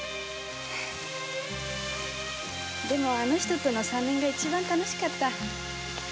でもあの人との三年が一番楽しかった。